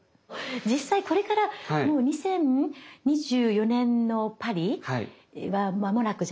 実際これからもう２０２４年のパリは間もなくじゃない？